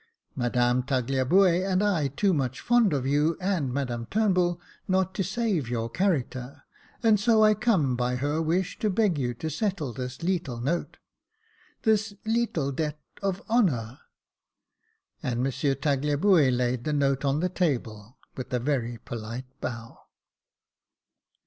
Madame Tagliabue and I too much fond of you and Madame Turnbull not to save your character, and so I come by her wish to beg you to settle this leetle note — this leetle debt of honour ;" and Monsieur Tagliabue laid the note on the table, with a very polite bow.